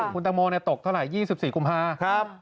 คุณตังโมตกเท่าไหร่๒๔กุมภาคม